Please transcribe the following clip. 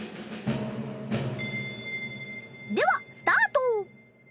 ではスタート！